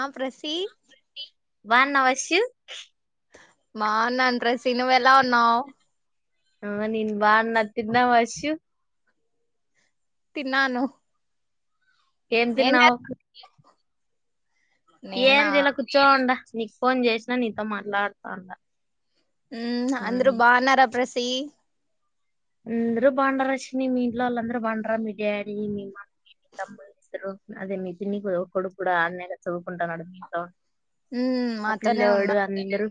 ఆ ప్రసీ బాన్నావష్యు మా నాంట్రస్ సీను ఎలా ఉన్నావ్ ఆ నేను బాన్న తిన్నావ అష్యు తిన్నాను ఏం తిన్నావ్ నేనా ఏన్ జైలా కుచోండా నీకు ఫోన్ చేసినా నీతో మాట్లాడుతాండా మ్మ్ అంద్రూ ఉమ్ బాన్నారా ప్రస్ సి అందురు బాండారష్విని మీ ఇంట్లో వాళ్ళందరూ బాండారా మీ డాడీ, మీ మమ్మీ, మీ తమ్ములిద్దురు అదే మీ పిన్ని కొడుకూడా ఆన్నే చదువుకుంటాన్నాడు మీంట్లో. మ్మ్ ఆ మాతోనే పిల్లోడు ఉన్నారు అందరు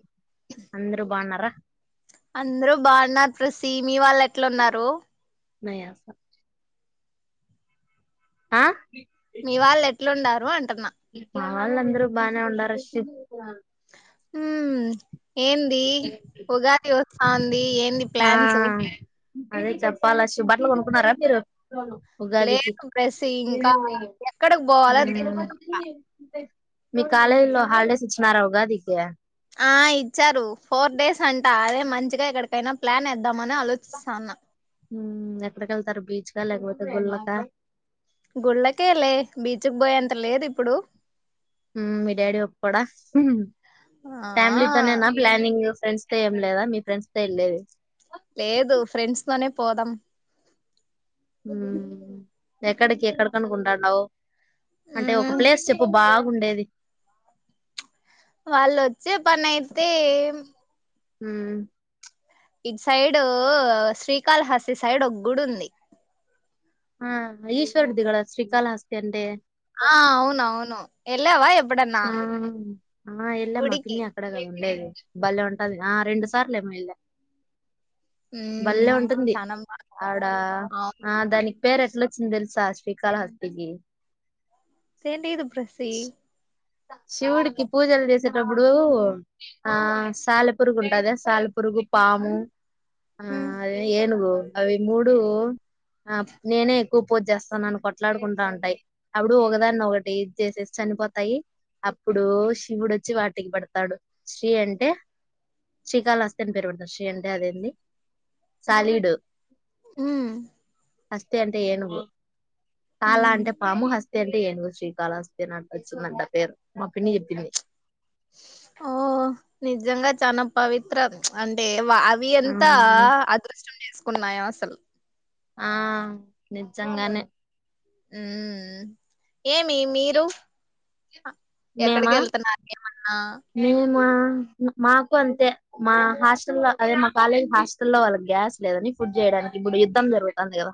అందరు బావున్నార అంద్రూ బానార్ ప్రసీ మీ వాళ్ళెట్లున్నారు నయా సా ఆ మీ వాళ్ళెద్ ఎట్లుండారు అంటన్నా మావాలంద్రూ బానే ఉండారష్యు మ్మ్ ఏంది ఉగాది వ ఆన్ ఏంది ఆ ప్లాన్సు అదే చెప్పాలష్యు బట్టలు కొనుక్కున్నారా మీరు ఉగాదికి లేదు ప్రసీ ఇంకా ఎక్కడికి పోవాలో తెలీట్లా మీ కాలేజ్ లో హాలిడేస్ ఇచ్చినారా ఉగాదికి ఆ ఇచ్చారు ఫోర్ డేస్ అంట అదే మంచిగా ఇక్కడ పేనా ప్లానేద్దామని ఆలోచిస్తాన్న మ్మ్ ఎక్కడికెళ్తారు బీచ్కా లేకపోతే గుల్లకా గుళ్ళకే లే బీచ్కు పోయేంత లేదు ఇప్పుడు మ్మ్ మీ డాడీ ఒప్పుకోడా ఆ ఫ్యామిలీ తనేనా ప్లానింగ్ ఫ్రెండ్స్ తో ఏం లేదా మీ ఫ్రెండ్స్ తో వెళ్లేది లేదు ఫ్రెండ్స్ తోనే పోదాం ఎక్కడికి ఎక్కడికనుకుంటాండావ్ అంటే ఒక ఉమ్ ప్లేస్ చెప్పు బాగా ముండేది వాళ్ళుొచ్చే పని అయితే ఉహ్మ్మ్ ఇటు సైడ్ శ్రీకాళహస్తి సైడ్ ఒక గుడి ఉంది ఆ ఈశ్వర్ దగా శ్రీకాళహస్తి అంటె ఆ అవును అవును ఏళ్ళవా ఆ ఎలా గుడికి పిన్ని అక్కడ గై ఉండేది బల్లేె ఉంటది ఆ రెండు సార్లుమో వెలే బళ్ల్లేె ఉమ్ ఉంటుంది చానా ఆవిడ బా ఆ దానికి పేరు ఎట్లొచ్చింది తెలుసా శ్రీకాళహస్తికి తంట ఇదు ప్రసిీ [unintelligible] శివుడికి పూజలు చేసేటప్పుడు ఆ సాల పురుగు ఉంటద శాల పురుగు పాము ఆ ఉమ్ అదే ఏనుగు అవి మూడు ఆ నేనే ఎక్కువ పూజ చేస్తాన్నాను కొట్లాడుకుంటా ఉంటాయి అప్పుడు ఒకదాన్ని ఒకటి ఇ చేసేసి చనిపోతాయి అప్పుడు శివుడుొచ్చి వాటికి పడతాడు శ్రీ అంటే శ్రీకాళహస్తి అని పేరు పెడతాడు శ్రీ అంటే అదేంది శాలిడు హ్మ్మ్ హస్తి అంటే ఏనుగు కాలా ఉమ్ అంటే పాము హస్త అంటే ఏనుగు శ్రీకాళస్తి అట్ విందంట పేరు మా పిన్ని జెప్పింది ఓ నిజంగా చనా పవిత్ర అంటే అవి ఆ అంతా అదృష్టం చేసు కున్నాయ అసలు ఆ నిజంగానే హ్మ్మ్ ఏమి మీరు ఎక్కడికి వెళ్తున్నారు ఏమన్నా నేమా మాకు అంతే మా హాస్టల్లో లో అదే మా కాలేజ్ హాస్టల్లో వాళ్ళకి గ్యాస్ లేదని ఫుడ్ చేయడానికి ఇప్పుడు యుద్ధం జరుగుతుంది కదా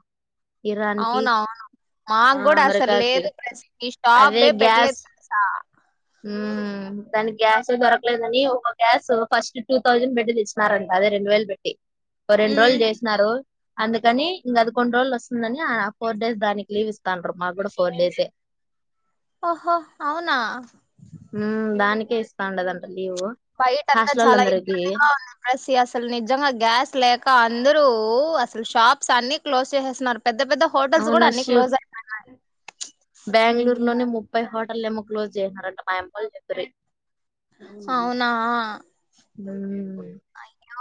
ఇరాన్ కి అవును అవును ఆ మాకు కూడా అసలు అమెరికాకి లేదు ఈ షాప్ ఏ పెట్టలేదు తెలుసా హ్మ్మ్ దానికి గ్యాస్ దొరకలేదని ఒక గ్యాస్ ఫస్ట్ టూ థౌజండ్ పెట్టి తెచ్చినారంట అదే రెండు వేలు పెట్టి రెండు ఉమ్, రోజులు చేసినారు అందుకని ఇంకా అది కొండ్రోజులు వస్తుందని ఫోర్ డేస్ దానికి లీవ్ ఇస్తాండ్రు మాకు కూడా ఫోర్ డేసే ఓహో అవునా ఉమ్ దానికే ఇస్తాండదంట లీవ్ బయట అంతా చాలా హాస్టలోళ్ళందరికి ఇబ్బందిగా ఉంది పరిస్థి, అసలు నిజంగా గ్యాస్ లేక అందరూ రూ అసలు షాప్స్ అన్ని క్లోజ్ చేసేస్తున్నారు. పెద్ద పెద్ద హోటల్స్ కూడా అన్ని అవునషూ, క్లోజ్ అయిపోయినాయి బెంగళూరు ఉమ్, లోనే ముప్పై హోట్ టల్ ఏమో క్లోజ్ చేసారంట మాయమ్మోలు చెప్పారయ్ అవునా ఉమ్.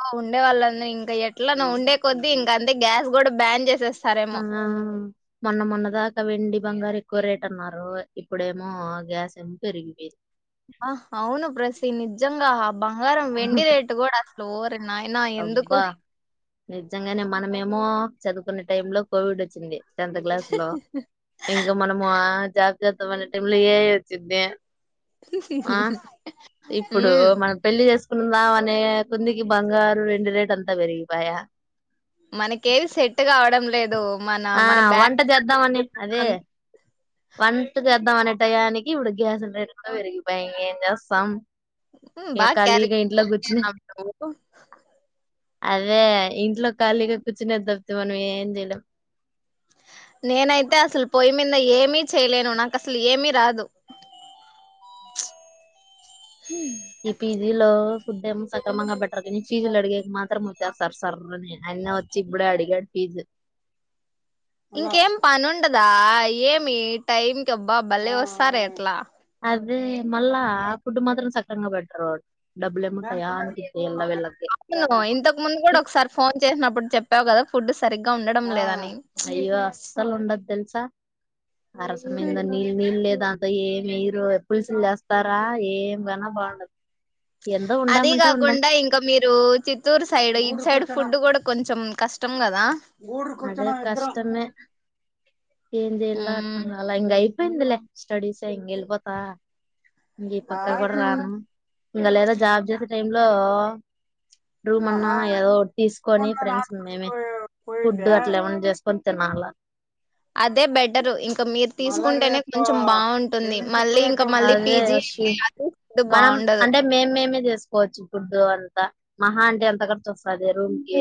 ఓ ఉండేవాళ్ళన్నీ ఇంకా ఎట్లనో ఉండే కొద్దీ ఇంక అంతే, గ్యాస్ కూడా బ్యాన్ చేసెస్ ఆ మొన్న మొన్నద ఇంక వెండి బంగారు ఎక్కువ రేట్ అన్నారు, ఇప్పుడేమో గ్యాస్ ఏమో పెరిగిపోయింది. ఆ అవును బ్రసి నిజ్జంగా బంగారం వెండి రేటు కూడా అసలు ఓ అవ్ బా నిజంగానే మనమేం మో చదువుకున్న టైంలో కోవిడ్ వచ్చింది. టెన్త్ క్లాస్లో ఇంకా మనము జాబ్ చేద్దాం అనే టైంలో ఏఐ వచ్చందే ఆ ఇప్పుడు హ్మ్ మనం పెళ్లి చేస్ కుందా అనే కుందికి బంగార్ వెండి రేట్ అంత పెరిగి పాయ మనకేది సెట్ కావడం లేదు, మన ఆ మన బ్యా వంట చేద్దామని [inaudible] దం అనే టయానికి ఇప్పుడు గ్యాస్లు రేట్లు కూడా పెరిగి పాయే ఇంకా చేస్తాం. ఉమ్ ఇగ బా క్యాలి ఖాళీగా ఇంట్లో కూర్చుని అదే ఇంట్లో ఖాళీగా కూర్చునేది తప్పితే మనం ఏం చేయలేం. నేనైతే అసలు పోయి మిన్ ఏమీ చేయలేను, నాకు అసలు ఏమీ రాదు. హ్మ్ ఈ పీజీ లో ఫుడ్ ఏం సక్రమంగా పెట్టర్ కానీ ఫీజులు అడిగేకి మాత్రం ముందేస్తరు సర్ర్ అని, ఆయన్నే వచ్చి ఇప్పుడే అడిగాడు ఫీజు. ఇంకేం పనుండదా, ఏమి టైంకబ్బా బలే వస్తారే అట్లా అదే మల్ల ఫుడ్ మాత్రం సక్ ఇష్టంగా పెడతరు కావచ్చు అవును ఇంతకు ముందు కూడా ఒకసారి ఫోన్ చేసినప్పుడు చెప్పావు కదా. ఫుడ్ సరిగ్గా ఉండడం లేదని. అయ్యో సలు ఉండదు తెలుసా అరసు మింద నీల్ నీల్ లేదాన్ ఏ మీరు పులుసులు చేస్తారా ఏం గాన బాగుండదు ఎందో అది ఉండామంటే ఉండం కాకుండా ఇంకా మీరు చిత్తూరు సైడ్ ఇటు సైడ్ ఫుడ్ కూడా కొంచెం కష్టం కదా గూడూరుకి అదే వచ్చినాం ఇద్దరం కష్టమే ఎంచేయాలో అర్ధం కాలే ఇంగా అయిప పోయిందిలే స్టడీస్ ఎ ఇంక వెళ్ళిపోతా ఇంకా ఈ పక్కకు కూడా రాను ఆ ఇంగా లేదా జాబ్ చేసే టై లో రూమ్ అన్నా ఆహా ఏదో ఓటి తీసుకొని ఫ్రెండ్స్ మేమే ఫుడ్ పోయిందే అట్లా ఏమన్నా చేస్ తిన్నాల అదే బెటరు ఇంకా మీరు తీసుకుంటేనే కొంచెం బాగుంటుంది మళ్ళీ ఇంకా మళ్ళీ అదే పీజీ అంటే అది ఫుడ్ మనం బాగుండదు అంటే మేము మేమే చేసుకోవచ్చు ఫుడ్ అంతా మహా అంటే ఎంత ఖర్చు వస్తాది రూమ్ కి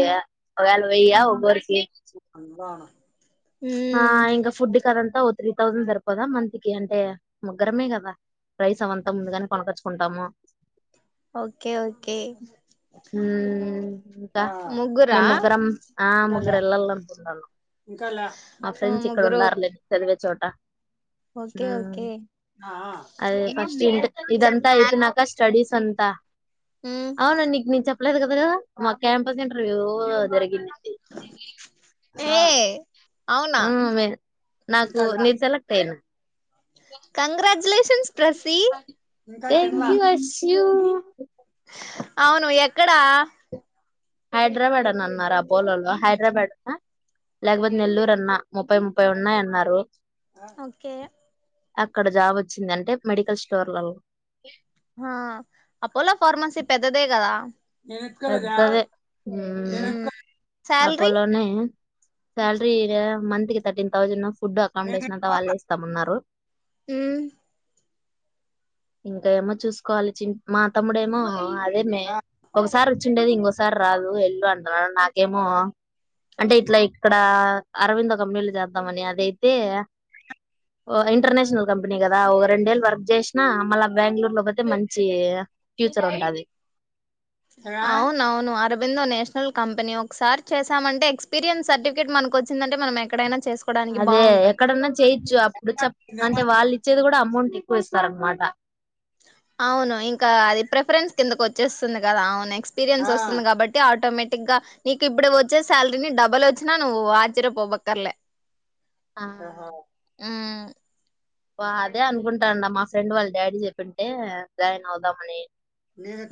ఒకేలా వేయి ఆ ఒక్కొరి కి అందులోను ఆ మ్మ్ ఇంకా ఫుడ్ కి అదం ఓ త్రీ థౌజండ్ సరిపోదా మంత్ కి అంటే ముగ్గరమే కదా రైస్ అవంతా ముందు గానే కొన్నకచ్చి కుంటాము ఒకే ఒకే మ్మ్ ఇంకా ముగ్గురా మేము ముగ్గురం ఆ ముగ్గురు వెళ్ళాల అనుకుంటాను మా ఫ్రెండ్స్ ఇక్కడ ఉండారులే ఒకే చోట ఓకేఓకే అదే ఫస్ట్ ఇన్ ఇదంతా అయిపోయినాక స్టడీస్ అంతా మ్మ్ అవును నీకు నీచెప్ ప్పలేదు కదా గా మాకి క్యాంపస్ ఇంటర్వ్యూ జరిగింది ఏ అవునా ఆ మే నాకు నేను సెలెక్ట్ అయినా కంగ్రాట్యులేషన్స్ ప్రాసి థ్యాంక్ యూ అష్యూ అవును ఎక్కడా హైదరాబాద్ అని అన్నారు అపోలోలో హైదరాబాద్ లేకపోతే నెల్లూరు అన్నా ముప్పై ముప్పై ఉన్నాయి అన్నారు ఓకే అక్కడ జాబ్ వచ్చింది అంటే మెడికల్ స్టోర్లలో ఆ అపోలో ఫార్మసీ పెద్దదే కదా మ్మ్ పెద్దదే శాలరీ అపోలోనే సాలరీ మంత్కి తర్టీన్ థౌసండ్ ఉ ఫుడ్ మ్మ్ అకామిడేషన్ అంతా వాళ్ళే ఇస్తామున్నారు ఇంకా ఏమో చూసుకోవాలి మా తమ్ముడేమో అమ ర్చి ఉండేది ఇంకోసారి రాదు ఎల్ళ అంటున్నాడు నాకేమో అంటే ఇట్లా ఇక్కడ అరవింద కంపెనీలు చేద్దామని అదైతే ఇంటర్నేషనల్ కంపెనీ కదా ఒక రెండేళ్ళ వర్క్ చేసినా మళ్ళ బెంగళూరు లో పోతే మంచి ఫ్యూచర్ ఉండది అవునవును అరబిందో నేషనల్ కంపెనీ ఒకసారి చేశామంటే ఎక్స్పీరియన్స్ సర్టిఫికెట్ మనకు వచ్చిందంటే మనం ఎక్కడైనా చేసా అదే ఎక్కడన్నా చేయొచ్చు అప్పుడు చె దా అంటే వాళ్ళు ఇచ్చేది కూడా అమౌంట్ ఎక్కువ ఇస్తార అనమాట అవును ఇంకా అది ప్రిఫరెన్స్ కిందక వచ్చేస్తుంది కదా అవును ఎక్స్పీరియన్స్ వస్తుంది కాబట్టి ఆటోమేటిక్గా నీకు ఇప్పుడు వచ్చే శాలరీని డబల్ వచ్చినా నువ్వు ఆశ్చర్యపోవక్కర్లే ఆ ఆహా ఆ అదే అనుకుంటాం మా ఫ్రెండ్ వాళ్ళ డాడీ చెప్పింటే జాయిన్ అవుదామని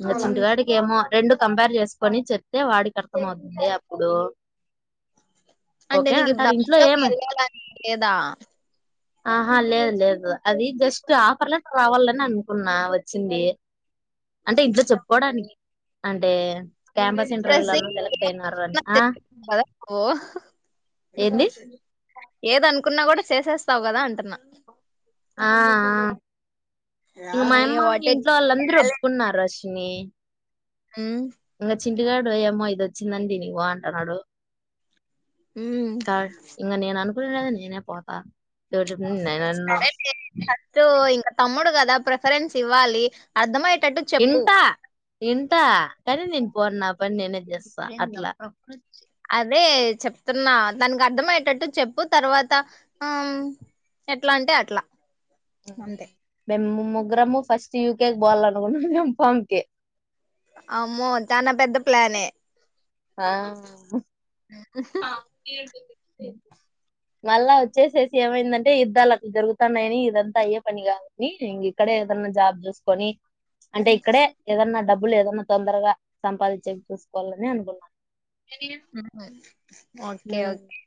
ఇంగ చింటు కాడికి ఏమో రెండు కంపేర్ చేసుకొని చెప్తే వాడికి అర్థం అవుతుంది అప్పుడు అంటే ఓకే నీకు ఇప్పుడు అంటారు ఇంట్లో అపోలో కి ఏమి వెళ్ళాలని లేదా ఆహా అ లేే లేదు అది జస్ట్ ఆఫర్ లెటర్ రావాలని అనుకున్నా వచ్చింది అంటే ఇంట్లో చెప్పుకోడానికి అంటే క్యాంపస్ [inaudible] ఇంటర్వ్యూలోనూ సెలెక్ట్ అయినారు అని ఆ ఏంది కున్నా కూడా చేసేస్తావు కదా అంటున్నా ఆ యా. ఇక ఏ మాయమ్మ వాట్ ఏ ఇంట్లో వాళ్ళందరూ ఒప్పుకున్నారు రష్ స్ హుమ్ చింటుగాడు ఏమో ఇది వచ్చిందండి నీవు అంటున్నాడు మ్మ్ కా ఇకా నేను అను నేనే పోతా చెప్పిన నేనన్ను సరే అ ఇంకా తమ్ముడు కదా ప్రిఫరెన్స్ ఇవ్వాలి అర్థమై టట్టు చెప్పు ఇంటా ఇంటా కానీ నేను పోను నా పని నేనే చేస్తా అట్లా అదే చెప్తున్నా దానికి అర్థమయేటట్టు చెప్పు తర్వాత ఆ ఎట్లా అంటే అట్లా అంతే బమ్మ ముగ్రము ఫస్ట్ యూకేకి బవాలనుకుంటన్నాంం పాంకి అమో చనా పెద్ద ప్లానే ఆ ఆ ఏతు మళ్ళా వచ్చేసేసి ఏమైందంటే యుద్ధాలు అ దరుగుతున్నాయని ఇదంతా అయ్యే పని కాదుని ఇం ఇక్కడే ఏదన్నా జాబ్ చూసుకొని అంటే ఇక్కడే ఏదన్నా డబ్బులు ఏదన్నా తొందరగా సంపాదించే చూసుకోవాలని అనుకున్నాను ఆహ ఓకే ఉమ్. ఓకే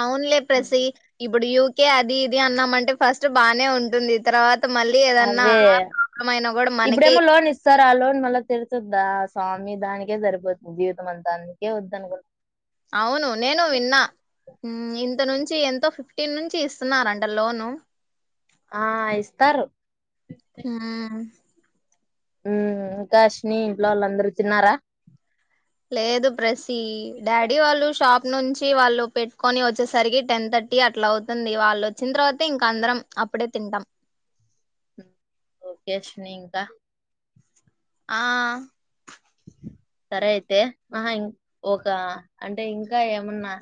అవునులే ప్రసి ఇప్పుడు యూకే అది ఇది అన్నామంటే ఫస్ట్ బాగానే ఉంటుంది తర్వాత మళ్ళీ ఏదన్నా అదే ప్రాబ్లం అయినా కూడా మనకే ఇప్పుడేమో లోన్ ఇస్తారా ఆ లోన్ మళ్ళా తెరుతుందా స్వామి దానికే సరిపోతుంది జీవితం అంతానికే వద్ద అనుకుంట అవును నేను విన్నా ఇంత నుంచి ఎంతో ఫిఫ్టీన్ నుంచి ఇస్తున్నారంట లోను ఆ ఇస్తారు హ్మ్. ఇంకాష్ని ఇంట్లో వాళ్ళందరుూ తిన్నారా లేదు ప్రసీ డాడీ వాళ్ళు షాప్ నుంచి వాళ్ళు పెట్టుకొని వచ్చేసరికి టెన్ థర్టీ అట్లా అవుతుంది వాళ్ళు వచ్చిన తర్వాత ఇంక అందరం అప్పుడే తింటాం ఓకేస్ న ఇంకా ఆ సరే అయితే మా ఇం ఒక అంటే ఇంకా ఏమన్నా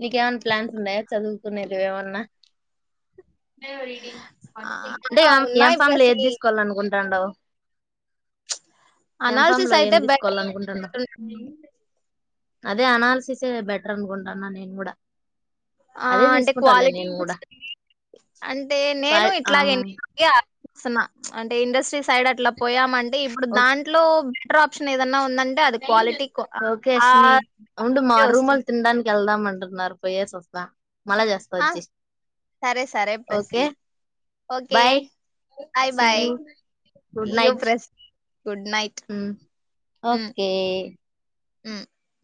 నీకేమన్నా ప్లాన్స్ ఉన్నాయా చదువుకునేది ఏమన్నా అంటే ఆ ఎం ఉన్నాయి ఫామ్ లో ఏది తీసుకోవాలినుకుంటా ఇంటంటవు అనాలసస్ అయితే బ కావాల అనుకుంటున్నా అదే అనాలిసిసే బెటర్ అనుకుంటాన్నా నేను కూడా ఆ అదే అంటే తీసుకుంటాలే క్వాలిటీ నేను కూడా [unintelligible] అంటే నేను క్వా- ఆ ఇట్లాగ ఎడ చేస్తున్నా అంటే ఇండస్ట్రీ సైడ్ అట్లా పోయామం అంటే ఇప్పుడు ఓకే దాంట్లో ఆప్షన్ ఏదన్నా ఉం ఓకే అశ్విని ఉండు వస్తుంది మారూమల్ తిన్ డా ళ్దామంటన్నారు పోయ సస్తా మల్ల జెస్త ఆ వచ్చి సరే సరే okay ప్రసి okay bye bye see bye you good ఇయ్యో నైట్ ప్రస్ గుడ్ నైట్ ఉ ఓక్ ఏ హ్మ్